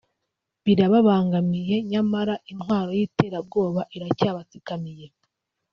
birababangamiye nyamara intwaro y’iterabwoba iracyabatsikamiye